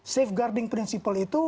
safeguarding prinsip itu